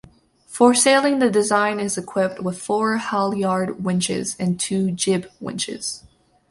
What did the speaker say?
For sailing the design is equipped with four halyard winches and two jib winches.